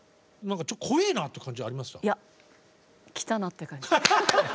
ちょっと怖いなっていう感じはありました？